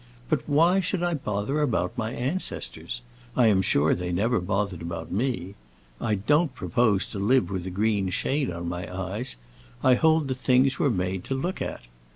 But why should I bother about my ancestors? I am sure they never bothered about me. I don't propose to live with a green shade on my eyes; I hold that things were made to look at.